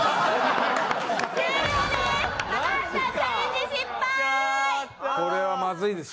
終了です。